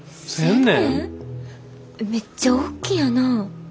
めっちゃおっきいんやな。